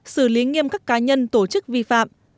xử lý nghiêm các cá nhân tổ chức vi phạm